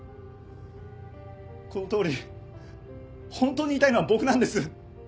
このとおり本当に痛いのは僕なんです。